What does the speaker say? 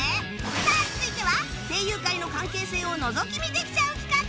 さあ続いては声優界の関係性をのぞき見できちゃう企画